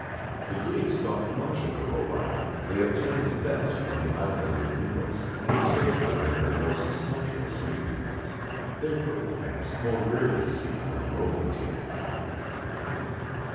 The Greeks thought much of the roebuck; they obtained the best from the island of Melos,[XIX 58] and served them at their most sumptuous repasts.[XIX 59] They were, perhaps, more rarely seen on Roman tables.